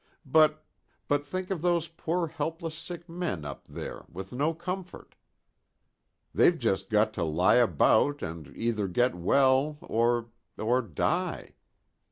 But but think of those poor helpless sick men up there, with no comfort. They've just got to lie about and either get well, or or die.